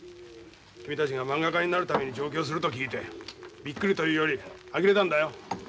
君たちがまんが家になるために上京すると聞いてびっくりというよりあきれたんだよ。